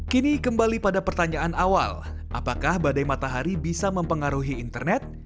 kini kembali pada pertanyaan awal apakah badai matahari bisa mempengaruhi internet